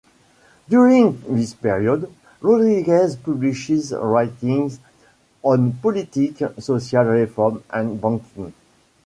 During this period, Rodrigues published writings on politics, social reform, and banking.